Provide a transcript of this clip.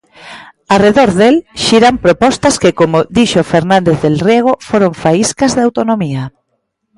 Arredor del xiran propostas que, como dixo Fernández del Riego, foron faíscas de autonomía.